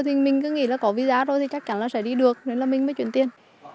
thì mình cứ nghĩ là có visa rồi thì chắc chắn là sẽ đi được nên là mình mới chuyển tiền